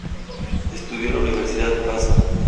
Estudió en la Universidad Paso.